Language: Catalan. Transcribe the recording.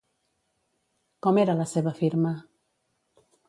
Com era la seva firma?